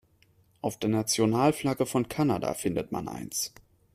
Auf der Nationalflagge von Kanada findet man eins.